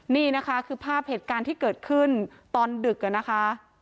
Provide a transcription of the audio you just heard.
นี่นะคะคือภาพเหตุการณ์ที่เกิดขึ้นตอนดึกนะคะ